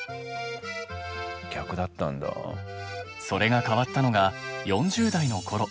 それが変わったのが４０代の頃。